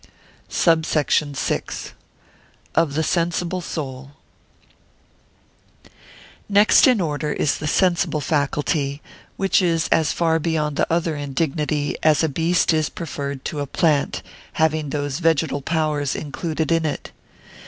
SUBSECT. VI.—Of the sensible Soul. Next in order is the sensible faculty, which is as far beyond the other in dignity, as a beast is preferred to a plant, having those vegetal powers included in it.